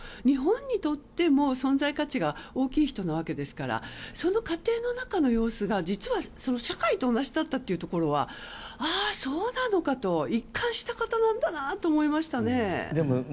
日本にとっても存在価値が大きい人なわけですからその家庭の中の様子が社会と同じだったというところはそうなのかと一貫した方なんだなと思いましたね。